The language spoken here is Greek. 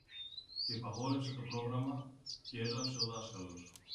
Και υπαγόρευσε το πρόγραμμα, κι έγραψε ο δάσκαλος